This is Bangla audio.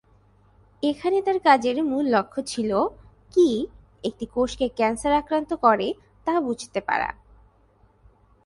এখানে তার কাজের মূল লক্ষ্য ছিলো, কী একটি কোষকে ক্যান্সার আক্রান্ত করে তা বুঝতে পারা।